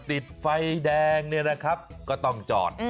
ติดไฟแดงเนี่ยนะครับก็ต้องจอด